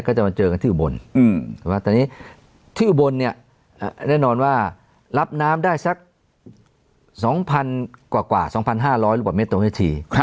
ก็จะมาเจอกันที่อุบนแต่ที่อุบนเนี่ยแน่นอนว่ารับน้ำได้สัก๒๐๐๐กว่า๒๕๐๐หรือ๑เมตรตรงเทียบที